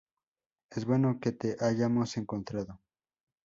Es bueno que te hayamos encontrado.